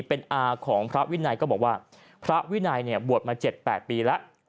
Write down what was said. เป็นอาของพระวินัยก็บอกว่าพระวินัยเนี่ยบวชมา๗๘ปีแล้ว